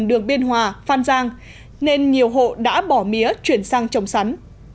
đường biên hòa phan giang nên nhiều hộ đã bỏ mía chuyển sang trồng sắn